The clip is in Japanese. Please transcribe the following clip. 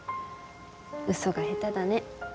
ウソが下手だね。